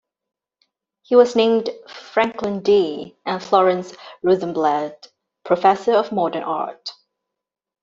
He was named Franklin D. and Florence Rosenblatt Professor of Modern Art.